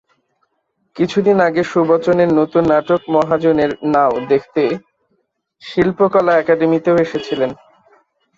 কিছুদিন আগে সুবচনের নতুন নাটক মহাজনের নাও দেখতে শিল্পকলা একাডেমীতেও এসেছিলেন।